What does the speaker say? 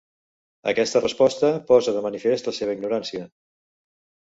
Aquesta resposta posa de manifest la seva ignorància.